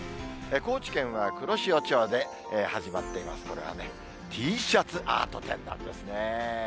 高知県は黒潮町で始まっています、これはね、Ｔシャツアート展なんですね。